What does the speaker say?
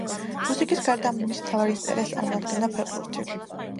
მუსიკის გარდა მის მთავარ ინტერესს წარმოადგენდა ფეხბურთი.